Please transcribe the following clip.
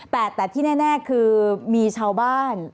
แต่ที่แน่คือมีชาวบ้าน